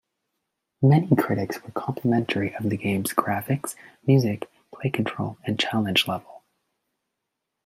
Many critics were complimentary of the game's graphics, music, play control, and challenge level.